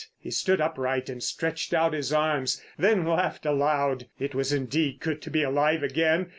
He stood upright and stretched out his arms, then laughed aloud. It was indeed good to be alive again.